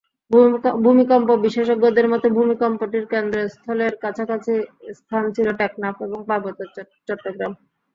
ভূমিকম্প বিশেষজ্ঞদের মতে, ভূমিকম্পটির কেন্দ্রস্থলের কাছাকাছি স্থান ছিল টেকনাফ এবং পার্বত্য চট্টগ্রাম।